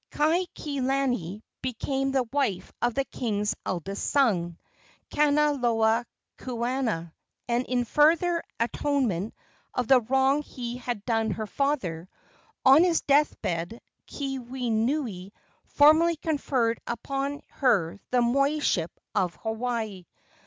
Kaikilani became the wife of the king's eldest son, Kanaloa kuaana, and, in further atonement of the wrong he had done her father, on his death bed Keawenui formally conferred upon her the moiship of Hawaii.